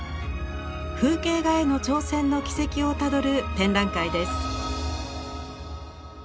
風景画への挑戦の軌跡をたどる展覧会です。